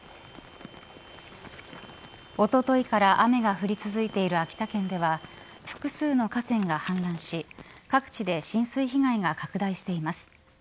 おとといから雨が降り続いている秋田県では複数の河川が氾濫し各地で浸水被害が拡大しています。